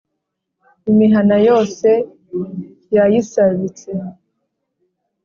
Imihana yose yayisabitse,